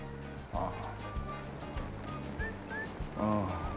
ああ